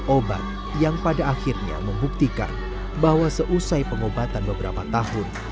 obat yang pada akhirnya membuktikan bahwa seusai pengobatan beberapa tahun